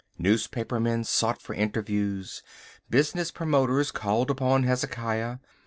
Newspaper men sought for interviews. Business promoters called upon Hezekiah.